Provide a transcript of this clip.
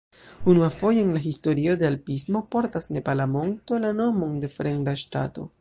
Unuafoje en la historio de alpismo portas nepala monto la nomon de fremda ŝtato.